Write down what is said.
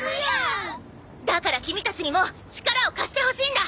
だからキミたちにも力を貸してほしいんだ！